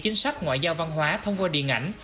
chính sách ngoại giao văn hóa thông qua điện ảnh